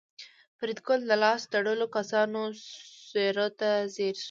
فریدګل د لاس تړلو کسانو څېرو ته ځیر شو